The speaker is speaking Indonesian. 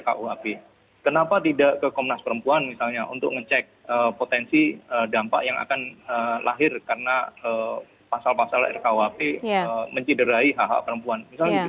kenapa tidak mengajak komnas ham untuk menguji potensi atau dampak yang akan lahir karena pasal pasal rkuap menciderai hak hak perempuan